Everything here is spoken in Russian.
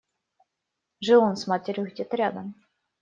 Жил он с матерью где-то рядом.